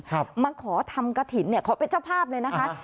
มาขอทำกระถิ่นเนี้ยขอเป็นเจ้าภาพเลยนะคะ